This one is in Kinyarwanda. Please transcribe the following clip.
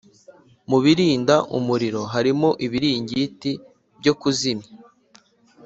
Mu birinda umuriro harimo ibiringiti byo kuzimya